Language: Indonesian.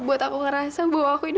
buat aku ngerasa bahwa aku ini